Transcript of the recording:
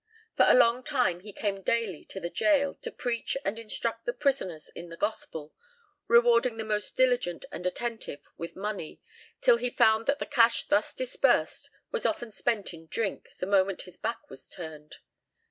For a long time he came daily to the gaol, to preach and instruct the prisoners in the gospel, rewarding the most diligent and attentive with money, till he found that the cash thus disbursed was often spent in drink the moment his back was turned.